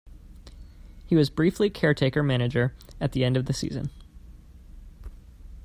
He was briefly caretaker manager at the end of the season.